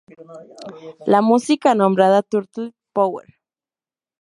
La música nombrada, "Turtle Power".